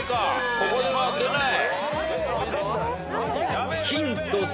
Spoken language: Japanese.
ここでは出ない。